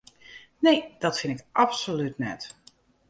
Nee, dat fyn ik absolút net.